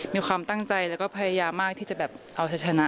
มีความตั้งใจและพยายามมากนายจะชนะ